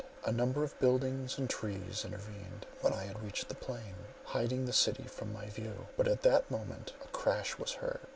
A number of buildings and trees intervened, when I had reached the plain, hiding the city from my view. But at that moment a crash was heard.